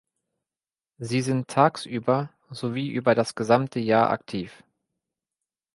Sie sind tagsüber sowie über das gesamte Jahr aktiv.